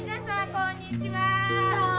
こんにちは。